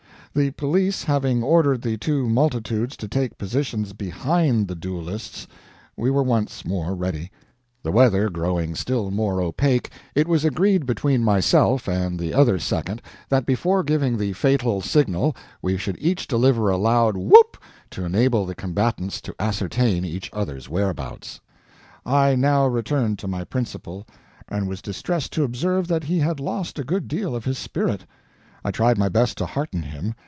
The police having ordered the two multitudes to take positions behind the duelists, we were once more ready. The weather growing still more opaque, it was agreed between myself and the other second that before giving the fatal signal we should each deliver a loud whoop to enable the combatants to ascertain each other's whereabouts. I now returned to my principal, and was distressed to observe that he had lost a good deal of his spirit. I tried my best to hearten him.